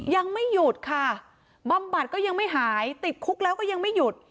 ยังไม่หยุดค่ะบำบัดก็ยังไม่หายติดคุกแล้วก็ยังไม่หยุด